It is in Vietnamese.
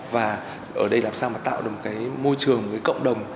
và ở đây làm sao mà tạo được một cái môi trường một cái cộng đồng